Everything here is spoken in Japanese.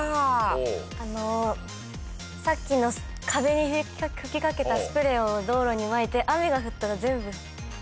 あのさっきの壁に吹きかけたスプレーを道路にまいて雨が降ったら全部跳ね返って。